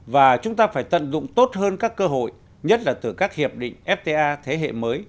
và chúng ta phải tận dụng tốt hơn các cơ hội nhất là từ các hiệp định fta thế hệ mới